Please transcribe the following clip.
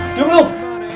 eh yuk belom